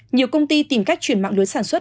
nhiều công ty tìm cách chuyển mạng lưới sản xuất